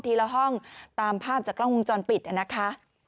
ละห้องตามภาพจากกล้องวงจรปิดนะคะ